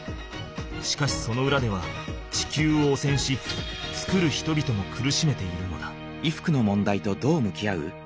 しかしそのうらでは地球を汚染し作る人々も苦しめているのだ。